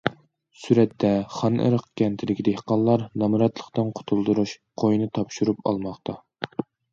سۈرەتتە: خانئېرىق كەنتىدىكى دېھقانلار« نامراتلىقتىن قۇتۇلدۇرۇش» قويىنى تاپشۇرۇپ ئالماقتا.